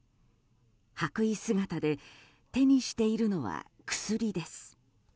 白衣姿で手にしているのは薬です。